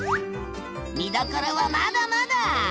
見どころはまだまだ！